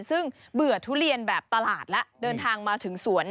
ซึ่งเบื่อทุเรียนแบบตลาดแล้วเดินทางมาถึงสวน